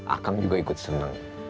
akang juga ikut seneng